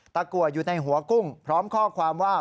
กัวอยู่ในหัวกุ้งพร้อมข้อความว่า